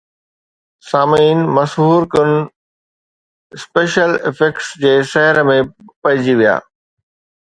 سامعين مسحور کن special effects جي سحر ۾ پئجي ويا